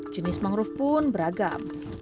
jenis menggrup pun beragam